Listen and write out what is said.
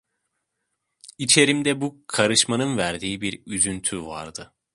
İçerimde bu karışmanın verdiği bir üzüntü vardı.